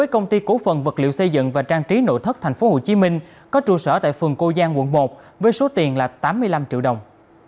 công ty cổ phần vật liệu xây dựng và trang trí nội thất tp hcm có trụ sở tại phường cô giang quận một với số tiền là tám mươi năm triệu đồng